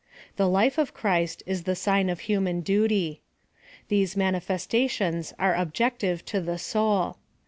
The life of Christ is the sign of human duty. These manifestations are objective to the soul.